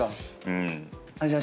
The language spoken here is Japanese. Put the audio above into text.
うん。